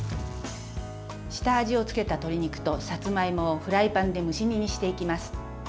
下味をつけた鶏肉とさつまいもをフライパンで蒸し煮にしていきます。